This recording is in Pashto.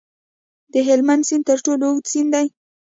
د هلمند سیند تر ټولو اوږد سیند دی